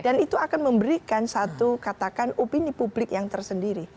dan itu akan memberikan satu katakan opini publik yang tersendiri